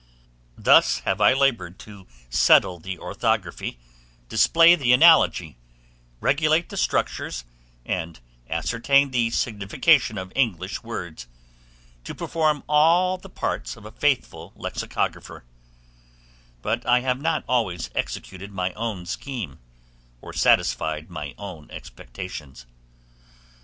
Thus have I labored by settling the orthography, displaying the analogy, regulating the structures, and ascertaining the signification of English words, to perform all the parts of a faithful lexicographer: but I have not always executed my own scheme, or satisfied my own expectations.